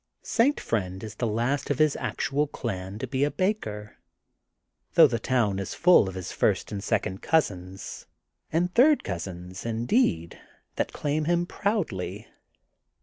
St. Friend is the last of his actual clan to be a baker, though the town is full of his first and second cousins; — and third cousins, in deed, that claim him proudly.